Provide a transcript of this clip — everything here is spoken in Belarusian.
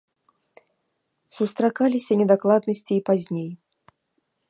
Сустракаліся недакладнасці і пазней.